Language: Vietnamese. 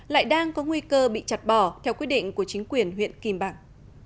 lại đang có nguy cơ bị chặt bỏ theo quyết định của chính quyền huyện kim bảng